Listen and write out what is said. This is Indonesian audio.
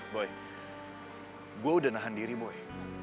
boy gue udah nahan diri boy